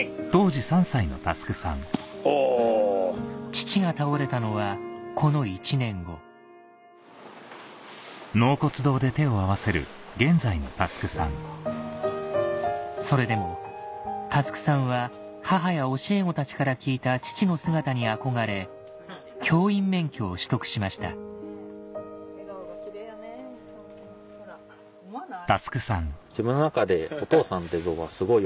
父が倒れたのはこの１年後それでも佑さんは母や教え子たちから聞いた父の姿に憧れ教員免許を取得しました笑顔がキレイやねほら思わない？